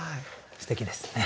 すてきですね。